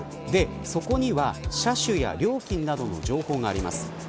そこには車種や料金などの情報があります。